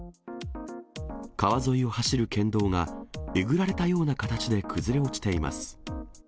川沿いを走る県道が、えぐられたような形で崩れ落ちています。